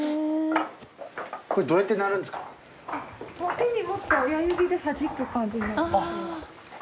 手に持って親指ではじく感じ。